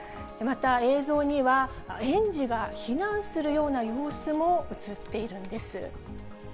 また、映像には、園児が避難するような様子も写っているんです。